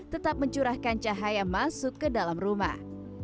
tetap mencurahkan cahaya masuk ke dalam rumah